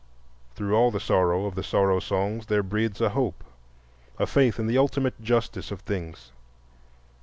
Through all the sorrow of the Sorrow Songs there breathes a hope—a faith in the ultimate justice of things.